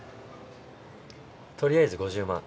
とりあえず５０万。